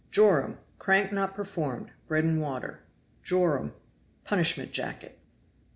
Joram.Crank not performed bread and water. Joram.Punishment jacket.